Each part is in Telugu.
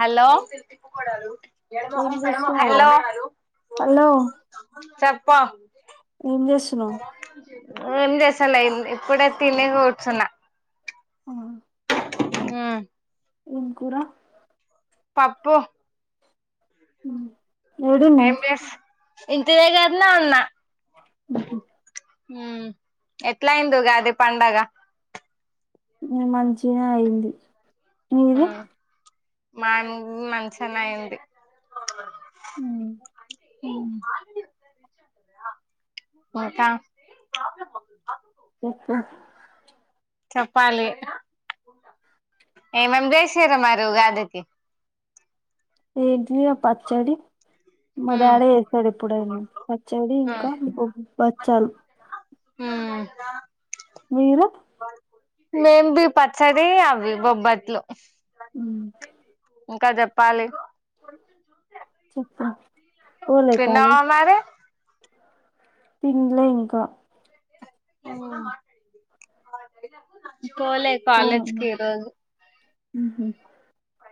హలో ఏం చేస్తున్నావురా హలో చేప పహ్ ఎం చేస్తునావ్ ఏం చేస్తలే ఇప్పుడై తినీ కూర్చున్నా ఆ ఆ ఏం కూర పప్పు ఆ ఏం చెస్ ఇంటి దగ్గరని వున ఉ ఎట్లాయింది ఉగాది పండగ మంచిగనే అయింది మీది హ్మ్ మాన్ మంచిగనే అయింది మ్మ్ మ్మ్ ఇంకా చెప్పు చపాలి ఎం ఎం చేసిర్రు మరి ఉగాది కి ఏటీజెయ పచ్చడి మా హ్మ్ డాడీ చేస్తాడు ఎప్పుడైనా పచ్చాడీ హ్మ్ ఇంకా బచ్చాలు హ్మ్ మీరు మేం బి పచ్చది అవి బొబ్బట్లు మ్మ్ ఇంకా చెప్పాలి చెప్పు పోలే కాలేజ్ తిన్నావా మరి తిన్లే ఇంకా మ్మ్ పోలె కాలేజీకి ఈ రోజు ఉహ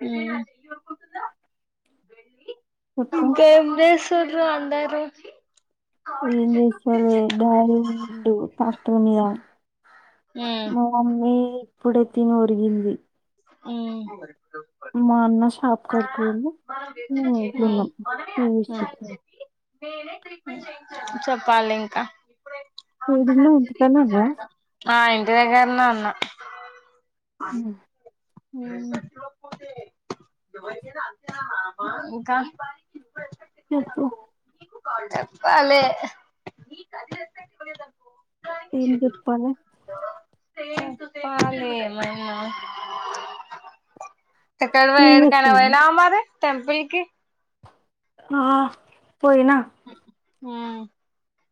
మ్మ్ చెప్పు ఇంకా ఎం చెస్ దృ అందరు ఏం చేస్తారో డాడీ పోయిండు ట్రాక్టర్ మీద ఉమ్ మ మమ్మీ ఇప్పుడే తినొరిగింది మ్మ్ మా అన్న షాప్ కాడికి పోయిండు మేం ఇంట్లో ఉన్నాం టీవీ చూస్కుంటూ చెప్పాలి ఇంకా ఏడున్నవ్ ఇంటికాడనే ఉన్నావా ఆ ఇంటి దెగ్గరినే ఉన్న మ్మ్ మ్మ్ ఇంకా చెప్పు చెప్పాలే ఏం చెప్పాలే చెప్పాలే ఏమైనా ఎక్కడ పోయి టీవీ ఏడికైనా చూస్తున్నావా? పోయినావా మరి టెంపుల్కి ఆ పోయినా ఆ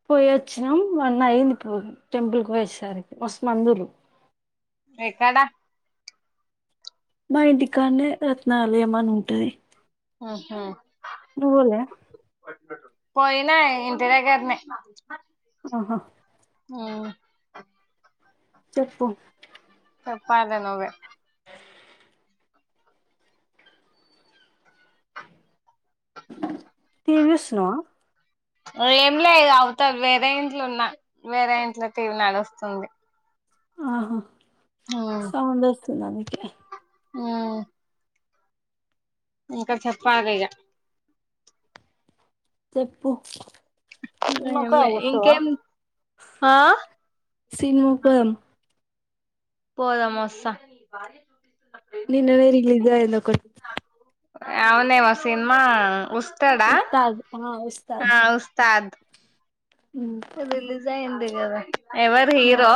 పోయి వచ్చినాం వన్ అయింది పోయి టెంపుల్కి పోయేసరికి మస్తు మందుర్రు ఎక్కడా మా ఇంటి కాన్నే రత్నాలయమం అని ఉంటది ఆహా నువ్వు పోలే? పోయినా ఇంటి దగ్గరనే ఆహా ఆ చెప్పు చెప్పాలి నువ్వే టీవీ చూస్తున్నావా ఏం లేదు అవుతారు వేరే ఇంట్లున్నా వేరే ఇంట్లో టీవీ నడుస్తుంది ఆహా సౌండ్ వస్ స్తుంది అందుకే ఆ ఇంకా చెప్ప ఆగ ఇక చెప్పు సినిమాకు ఏం లే పోదాం వస్తవా? ఇంకేం ఆ సినిమాకు పోదాం. పోదాం వస్తా నిన్ననే రిలీజ్ అయింది ఒకటి అవునేమో సినిమా ఉస్ ఉస్తాద్ ఆ ఆ ఉస్తాద్. ఆ ఉస్తాద్ హ్మ్. రిలీజ్ అయింది దా ఎవరు ఆ హీరో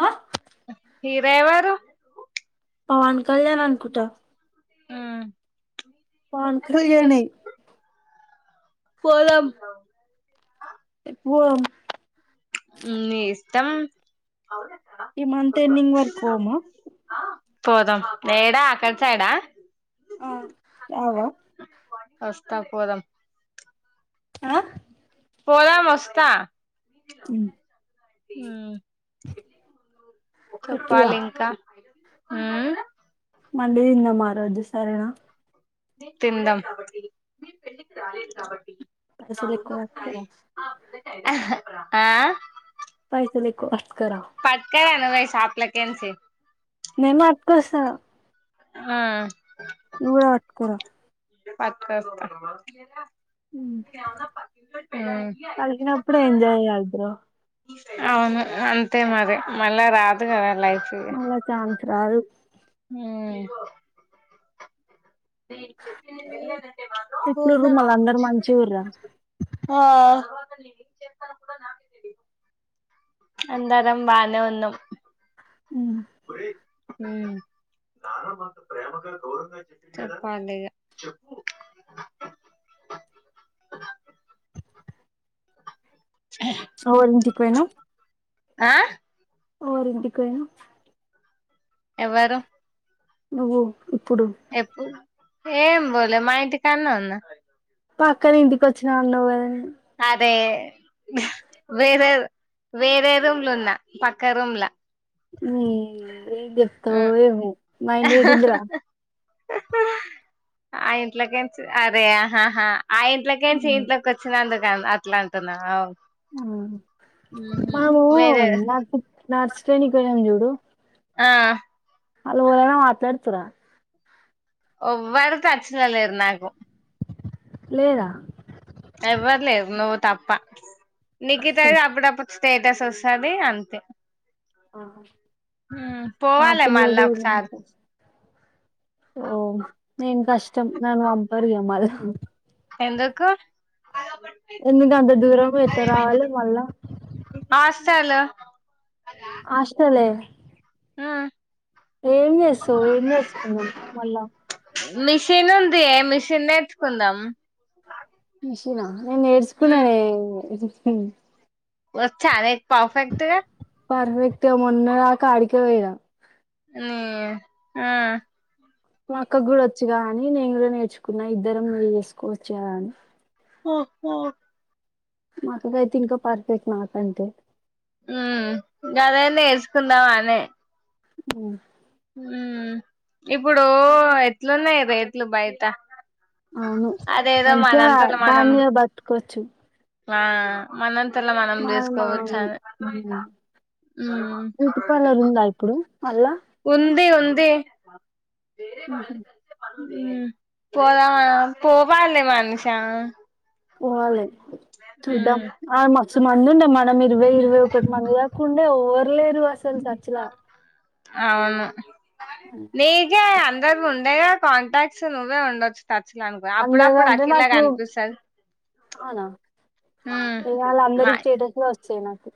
ఆ మీరెవరు పవన్ కళ్యాణ్ అనుకుంటా ఆ పవన్ కల్యాణ్ నే పోదాం వం ఉమ్ నీ ఇష్టం ఈ మంత్ ఎండింగ్ వరకు పోమా పోదాం ఏడా అక్కడ సైడా ఆ రావా వస్తా పోదాం ఆ పోదాం వస్తా ఉమ్. ఉమ్. ఒక పాల చెప్పిగా ఇంకా. ఉమ్. మండితిందం ఆరోజు సరేనా. తిందాం. పైసలు ఎక్కువ పట్టుకరా [unintelligible] ఆహా ఆ. పైసలె. అస్కర. లై షాప్లకేల్సి. నే మాత్కోసా. ఆ నువ్వే వడ్కుర. పట్కోత్త. ఉమ్. కలిసినప్పుడే ఎంజాయ్ చేయాలి బ్రో అవును అంతే మరి మళ్ళా రాదు కదా లైఫ్. ఇగ మళ్ళా ఛాన్స్ రాదు. ఉమ్. ఎట్లుర్రు ఓదగ్ మళ్ళ ఆ. అందరు మంచిగుర్రా మల్లి ఏంచేస్తానో కూడా నాకే తెలీదు.. అందరం బానేవున్నాం. మే ఉమ్ చెప్పాలిగా. అ ఎవళింటికి పోయినవ్. ఆ ఎవరింటికి పోయినవ్. ఎవరు. నువ్వు. ఇప్పుడు ఎప్పు. ఏం బోలే మాఇంటికాన్నే ఉన్న. పక్కనింటికోచ్చిన అన్నవ్ కదే. వే వేరే వేరే రూమ్లు ఉన్నా పక్క రూమ్లా. ఉమ్. ఏంచెప్తవో ఏమో మా ఇంటి ఏడున్ది రా. ఆ ఇంట్లోకెంచ్ అరే ఆహహా. ఆ ఇంట్లోకేంచి ఈ ఇంట్లకొచ్చిందుక్. కన్ అట్ల అంటున్నా అవును ఉమ్ మాము వేరే నక్ నర్సు ట్రేనింగ్ కు పోయినం చూడు ఆ ఆళ్ళు కూడ మాట్లాడుతుర ఒవ్వరు టచ్ ల లేరు నాకు లేద నువ్ తప్ప నికితది అప్పుడప్పుడు స్టేటస్ వస్తది అంతే ఊ ఆ పోవాలా పిల్ల కూడా మళ్ళాఒకసారి ఓ నేను కష్టం నన్ను పంపరు ఇగ మళ్ళా ఎందుకు ఎందుకంత దూరం ఎట్లా రావాలి మళ్ళా తలో హాస్టలే హ ఏం చేస్తవు ఏం తెచున్నావ్ మళ్ళా మిషిన్ ఉందె మిషిన్ నేర్చుకుందాం మిషన్ ఆ నేను నేర్చుకున్ననె హ వచ్చ అనేక పఫెక్ట్గా పర్ఫెక్ట్ మొన్న ఆ కాడికి వద న ఆ మా అక్క కూడా వచ్చగా అని నేను కూడా నేర్చుకున్నా ఇద్దరం మీరు చేసుకోవచ్చా అని ఓహఓ మాకుకైతే ఇంకా పర్ఫెక్ట్ నాకంటే అదన్న ందావానే ఉ ఇప్పుడు ఎట్లున్నాయి రేట్లు బయట అవును అదేదో అంతా మనంతల మనం ధాన్య బతుకొ పచ్చు ఆ మనంత మా మా ఉమ్ బ్యూటీ పార్లర్ ఉందా ఇప్పుడు మళ్ళా ఉంది ఉంది వే ఉహు. వాళ్ళది క ప పోదా పోవాలే మనుషను పోవలె చూద్దాం ఆ మ సుమందుండ మనమే ఇరవై ఇరవై ఒకటి మంది కాకుండే ఓరు లేరు అస్ సల్ సర్చలా అవును నీకే అందరి వుండయి గా కాంటాక్ట్స్ నువ్వే ఉండొచ్చు టచ్చలే అనుకో అందరు అప్పుడప్పుడు అంటే అఖిల నాకు కనిపిస్తుంది అవునా మ్మ్ ఇవాళ అందరి మా స్టేటస్ లో వస్తాయి నాకు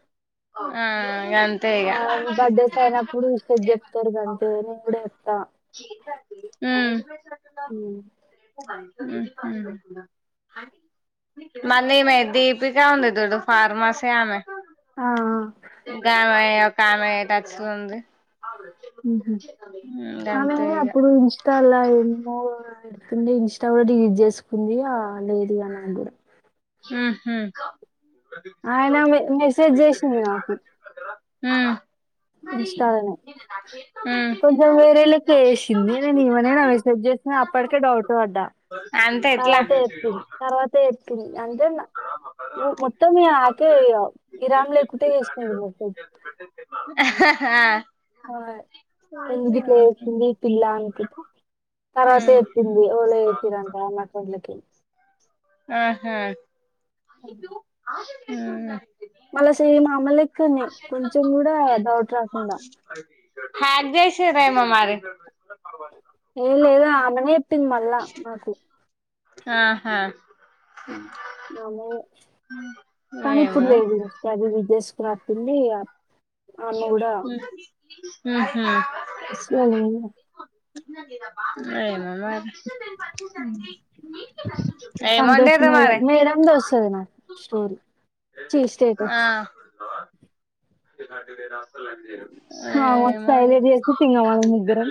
ఆ ఇగ ఆ బర్డేస్ అయినప్పుడు విషెస్ చెప్ తరు గంట అయినా కూడ మ్మ్ ఉమ్. మ్మ్ హ్మ్ మందీమె దీపిక ఉంది చూడు ఫార్మసీ ఆమె ఆ ఆ గామ ఎప్ కామె టచ్ లో ఉంది ఉహు. మ్మ్ ఆమె ఏమో అప్పుడు ఇన్స్టాలో ఏమో ఏందో ఇన్స్టా కూడా డిలీట్ చేసుకుంది ఆ లేదు ఇగ నాక్కూడా మ్మ్ హ్మ్ ఆయిన మె మెస్సేజ్ చేసింది నాకు మ్మ్ ఇన్స్టాలోనే హ్మ్ కొంచెం వేరే లెక్క చేసింది నేను ఈమనేనా మెసేజ్ చేసినది అప్పటికే డౌట్ పడ్డా అంతే ఎట్లా తర్వాత చెప్పిన్ తర్వాత చెప్ అంటే మొత్తం ఆకే ఇగ ఇరామ్ లేకుంటే చేసుకుంటది మొత్తం హా ఆ ఎందుగిట్ల చేసింది ఈ పిల్ల అనుకున్న తర్వాత చెప్పింది ఎవలో చెప్పరంట నాతో లకి ఆహా అ మ్మ్ మల్ల సేమ్ ఆమ లెక్ క్కనే కొంచం కూడా డౌట్ రాకుండా చేసిరేమో మరి ఏం లేదా ఆమెనే చెప్పింది మళ్ళా నాకు ఆహా హ్మ్ కానీ ఇప్పుడు ఏమో లేదు గా [unintelligible] చేసుకొనిస్తుంది ఇగ హ్మ్ హ్మ్ సో ఏమో మరి హ్మ్ ఏం వండిర్రు సంతోషని మరి మేడం దోస్తది నా స్టోరీ చి స్టేటస్ స్టో టి రాస్త మ సైగ చేసి తిన్నమని ముగ్గరం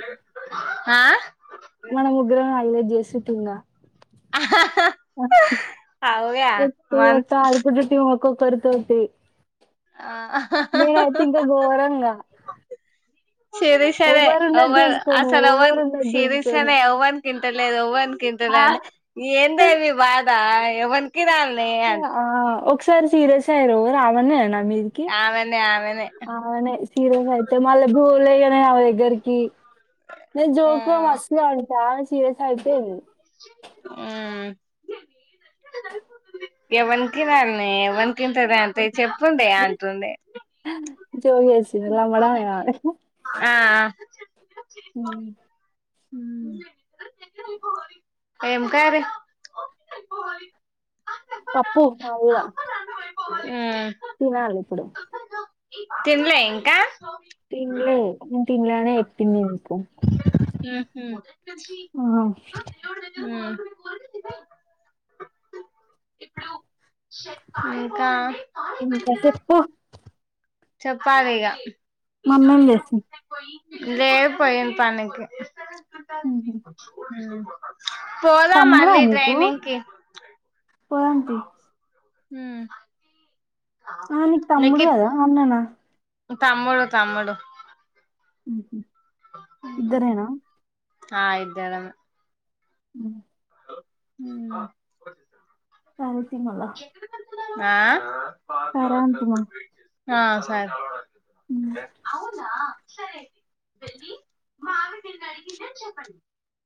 ఆ మన ముగ్గురం అయోధ్య చేసుటున్న ఆహా వట్టు మంత్ [unintelligible] [unintelligible] కోర్తుతి ఆ ఘోరంగా సిరి సరే ఎవరున్నది ఎవర్ చూసుకోను అసల్ ఎవన్ ఎవరున్నది సిరి చూసుకోను సనే ఎవన్ కిన్ తేలేదు ఎవర్ ఇంక ఎంతనేనా ఆ, అండి ఏంది ఎ మి బాధ దా ఎవన్ ఆ ఒకసారి సీరియస్ వొతారో రామని నేను అన్న ఆమెన్న ఆమెనే చిర కాడితే మళ్ళ బూరెలు ఏయనే ఆమె దెగ్గరికి నేను ఆ జోక్ గా మస్తు లే అంటస్ సిరస్ అయిపోయింది మ్మ్ ఎవనికి నన్నే ఎవ తింటాదే అంటే చెప్పుండే అంటుంది తొవ్ చేసింది రాంగ రాంగ ఆ హ్మ్ హ్మ్ ఏం కర్రీ పప్పు అల్లా అ తినాలి ఇప్పుడు. తినలే ఇంకా. ఆహ్ చెప్పంది నీకు ఉహు ఉమ్ ఆహ్. ఉమ్ ఇంకా. ఇంకా చెప్పు. చెప్పాలిగా. ఇగో మమ్మీ ఏం నేను చేస్తుంది సెట్పోయి. లేే పోయిండు పనుకి. ఉహు. ఉమ్ పోదాం తమ్ముడా మళ్ళీ డ్రైనింగ్ కి. పాలిటిక్స్. ఉమ్మ్. ఆహ్ నీకు తమ్ముడు కదు అన్నానా. తమ్ముడు తమ్ముడు. ఉమ్ ఇద్దరేనా. ఆహ్ ఇద్దరమే. ఉమ్. ఉమ్మ్. ఆహ్ ఓకే మాళ్ళా. ఆహ్. సరే అంటున్న. ఆహ్ సరే. ఉమ్. సరే. మావి నిన్ను అడిగింన్నా చెప్పండి.